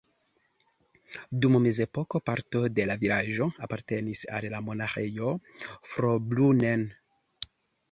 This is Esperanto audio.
Dum mezepoko parto de la vilaĝo apartenis al la Monaĥejo Fraubrunnen.